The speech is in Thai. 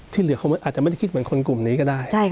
ที่เหลือเขาอาจจะไม่ได้คิดเหมือนคนกลุ่มนี้ก็ได้